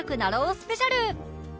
スペシャル